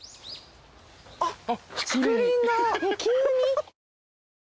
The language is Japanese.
あっ。